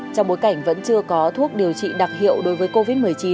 trong bối cảnh vẫn chưa có thuốc điều trị đặc hiệu đối với covid một mươi chín